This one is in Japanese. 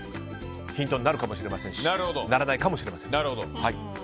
ヒントになるかもしれませんしならないかもしれません。